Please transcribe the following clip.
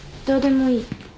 どうでもいい。